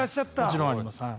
もちろんありますはい。